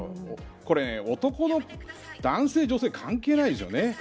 これは男性、女性関係ないですよね。